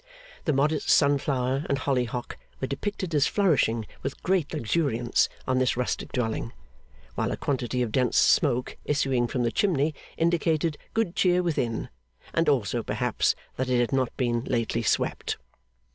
The modest sunflower and hollyhock were depicted as flourishing with great luxuriance on this rustic dwelling, while a quantity of dense smoke issuing from the chimney indicated good cheer within, and also, perhaps, that it had not been lately swept.